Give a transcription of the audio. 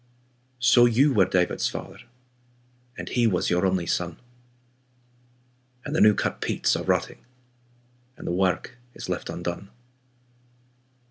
lO you were David's father, And he was your only son, And the new cut peats are rotting And the work is left undone.